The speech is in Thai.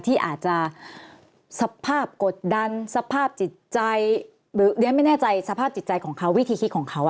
ที่อาจจะสภาพกดดันสภาพจิตใจหรือไม่แน่ใจสภาพจิตใจของเขา